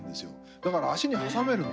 だから足に挟めるの。